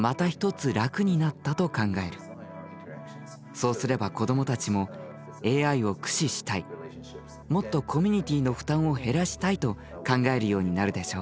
そうすれば子どもたちもＡＩを駆使したいもっとコミュニティーの負担を減らしたいと考えるようになるでしょう。